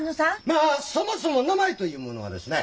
まあそもそも名前というものはですね。